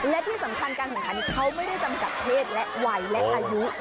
และที่สำคัญการแข่งขันเขาไม่ได้จำกัดเพศและวัยและอายุ